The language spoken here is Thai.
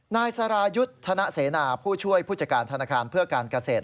นายสรายุทธ์ธนเสนาผู้ช่วยผู้จัดการธนาคารเพื่อการเกษตร